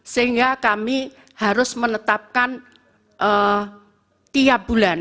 sehingga kami harus menetapkan tiap bulan